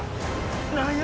何や？